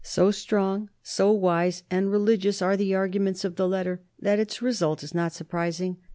So strong, so wise and religious, are the arguments of the letter, that its result is not surprising.